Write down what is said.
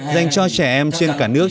dành cho trẻ em trên cả nước